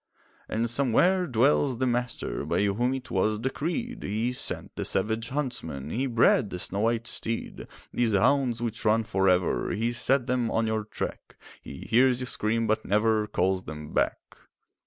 And somewhere dwells the Master, By whom it was decreed; He sent the savage huntsman, He bred the snow white steed. These hounds which run for ever, He set them on your track; He hears you scream, but never Calls them back.